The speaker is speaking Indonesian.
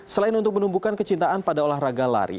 selain untuk menumbuhkan kecintaan pada olahraga lari